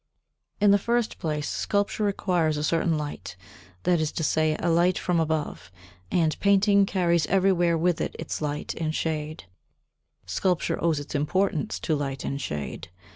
In the first place sculpture requires a certain light, that is to say, a light from above, and painting carries everywhere with it its light and shade; sculpture owes its importance to light and shade.